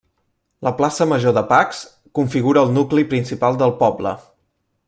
La plaça Major de Pacs configura el nucli principal del poble.